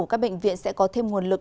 các bệnh viện sẽ có thêm nguồn lực